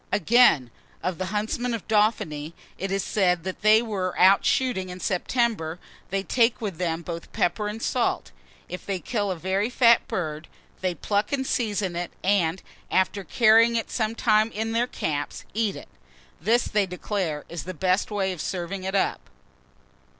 Again, of the huntsmen of Dauphiny it is said, that when they are out shooting in September, they take with them both pepper and salt. If they kill a very fat bird, they pluck and season it, and, after carrying it some time in their caps, eat it. This, they declare, is the best way of serving it up.